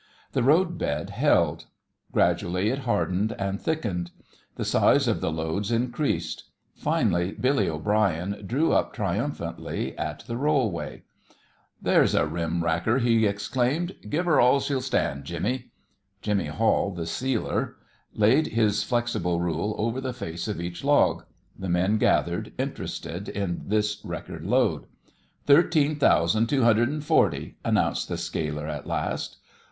The road bed held. Gradually it hardened and thickened. The size of the loads increased. Finally Billy O'Brien drew up triumphantly at the rollway. "There's a rim racker!" he exclaimed. "Give her all she'll stand, Jimmy." Jimmy Hall, the sealer, laid his flexible rule over the face of each log. The men gathered, interested in this record load. "Thirteen thousand two hundred and forty," announced the scaler at last.